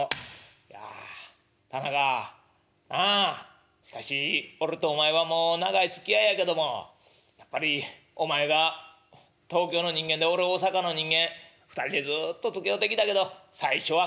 「いや田中なあしかし俺とお前はもう長いつきあいやけどもやっぱりお前が東京の人間で俺大阪の人間２人でずっとつきおうてきたけど最初は勘違いあったよな」。